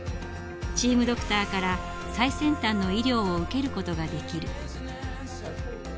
チームドクターから最先端の医療を受けることができる。